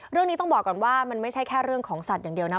เรื่องนี้ต้องบอกก่อนว่ามันไม่ใช่แค่เรื่องของสัตว์อย่างเดียวนะ